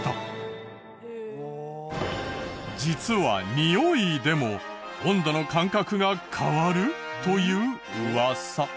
実はにおいでも温度の感覚が変わるというウワサ。